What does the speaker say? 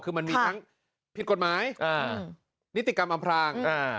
คือมันมีทั้งผิดกฎหมายนิติกรรมอำพลาง